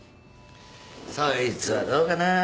そいつはどうかなぁ。